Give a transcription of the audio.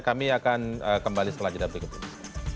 kami akan kembali setelah jeda berikutnya